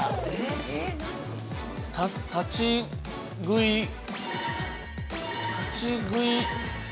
◆立ち食い立ち食い。